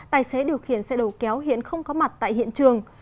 tài xế điều khiển xe đầu kéo hiện không có mặt tại hiện trường